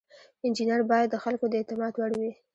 انجینر باید د خلکو د اعتماد وړ وي.